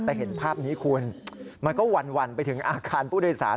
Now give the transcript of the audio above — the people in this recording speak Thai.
แต่เห็นภาพนี้คุณมันก็หวั่นไปถึงอาคารผู้โดยสาร